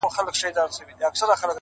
لاس يې د ټولو کايناتو آزاد” مړ دي سم”